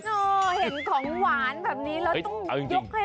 เห็นของหวานแบบนี้เราต้องยกให้